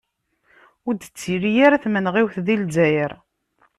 Ur d-tettili ara tmenɣiwt di Zzayer.